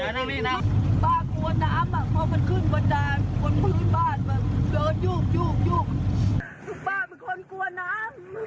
ป้ากลัวน้ำอ่ะพอมันขึ้นบนด้านบนพื้นบ้านมันเดินยุ่บ